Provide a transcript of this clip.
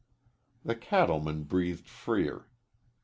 The cattleman breathed freer.